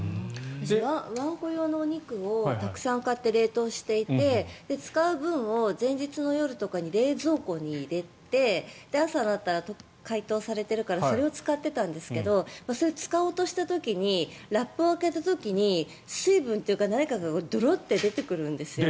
ワンコ用のお肉をたくさん買って冷凍していて使う分を前日の夜とかに冷蔵庫に入れて朝になったら解凍されているからそれを使ってたんですけどそういう使おうとした時にラップを開けた時に水分というか何かがドロッと出てくるんですよ。